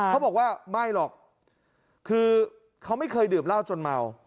เขาบอกว่าไม่หรอกคือเขาไม่เคยดื่มเหล้าจนเมา